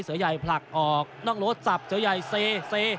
เสือใหญ่ผลักออกนอกรถสับเสือใหญ่เซ